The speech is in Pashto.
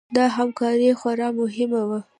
دا همکاري خورا مهمه وه.